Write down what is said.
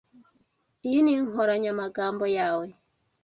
Iyi ni inkoranyamagambo yawe?